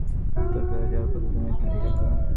উত্তর কোরিয়া যাওয়ার পথে তুমি এখানেই থাকবে।